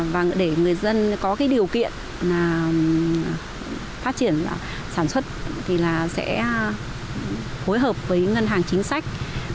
và để người dân có cái điều kiện phát triển sản xuất thì là sẽ phối hợp với ngân hàng chính sách